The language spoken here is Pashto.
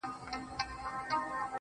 په دغه خپل وطن كي خپل ورورك.